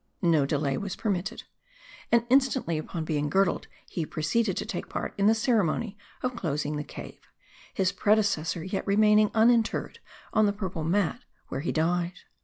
No delay was permitted. And instantly upon being girdled, he proceeded to take part in the ceremony of closing the cave ; his predecessor yet remaining uninterred on the purple mat where he died.